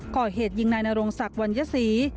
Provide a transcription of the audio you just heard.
ก่อเหตุยิงในนโรงศักดิ์วันยศรี